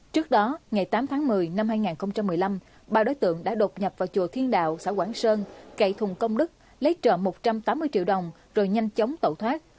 trước đó ngày tám tháng một mươi năm hai nghìn một mươi năm ba đối tượng đã đột nhập vào chùa thiên đạo xã quảng sơn cậy thùng công đức lấy trộm một trăm tám mươi triệu đồng rồi nhanh chóng tẩu thoát